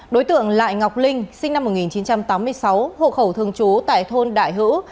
đối tượng lại ngọc linh sinh năm một nghìn chín trăm tám mươi sáu hộ khẩu thường trú tại thôn đại hữu